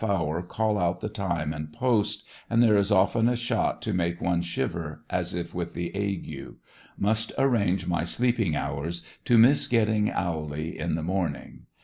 hour call out the time and post, and there is often a shot to make '' one shiver as if with the ague. Must arrange my sleeping hours to miss getting owly in the morning.